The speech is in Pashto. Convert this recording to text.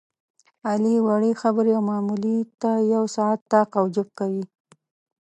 علي وړې خبرې او معاملې ته یو ساعت طاق او جفت کوي.